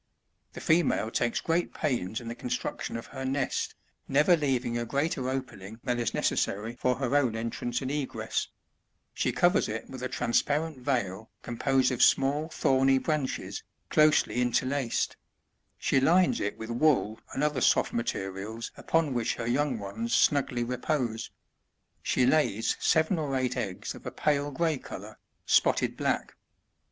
The female takes great pains in the construction of her nest, never leaving a greater opening than is necessary for her own entrance and egress ; she covers it with a transparent veil composed of small thorny branches, closely interlaced ; she lines it with wool and other soft materials upon which her young ones snugly repose ; she lays seven or eight eggs of a pale gray colour, spotted black.